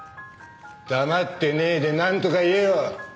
黙ってねえでなんとか言えよ！